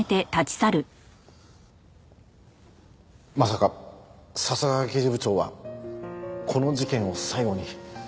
まさか笹川刑事部長はこの事件を最後に？